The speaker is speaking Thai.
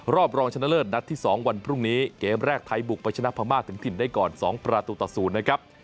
รองชนะเลิศนัดที่๒วันพรุ่งนี้เกมแรกไทยบุกไปชนะพม่าถึงถิ่นได้ก่อน๒ประตูต่อ๐นะครับ